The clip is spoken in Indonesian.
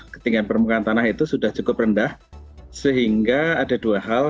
ketinggian permukaan tanah itu sudah cukup rendah sehingga ada dua hal